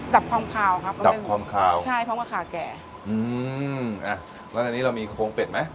ดับคอมคาวครับดับคอมคาวใช่พร้อมกับขาแก่อืมอ่ะแล้วในนี้เรามีโค้งเป็ดไหม